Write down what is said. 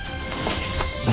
kamu tunggu di itu